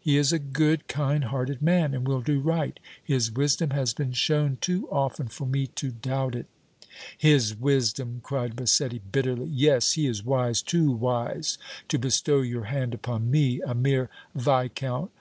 He is a good, kind hearted man, and will do right. His wisdom has been shown too often for me to doubt it!" "His wisdom!" cried Massetti, bitterly. "Yes, he is wise, too wise to bestow your hand upon me, a mere Viscount!